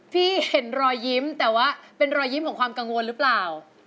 พี่เห็นรอยยิ้มแต่ว่าเป็นรอยยิ้มของความกังวลหรือเปล่า